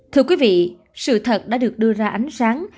thưa quý vị sự thật đã được đưa ra ánh sáng